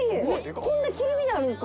こんな切り身であるんですか？